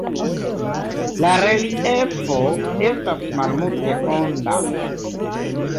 La reliefo estas malmulte onda.